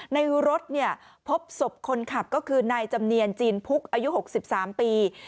ในรถพบศพคนขับก็คือนายจำเนียนจีนพุกอายุ๖๓ปี